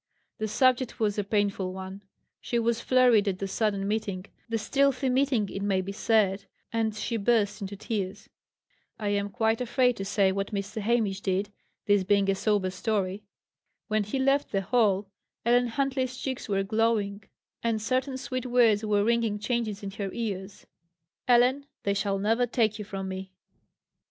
The subject was a painful one; she was flurried at the sudden meeting the stealthy meeting, it may be said; and she burst into tears. I am quite afraid to say what Mr. Hamish did, this being a sober story. When he left the hall, Ellen Huntley's cheeks were glowing, and certain sweet words were ringing changes in her ears. "Ellen! they shall never take you from me!"